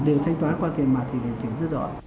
đều thanh toán qua tiền mặt thì đều tiền rất rõ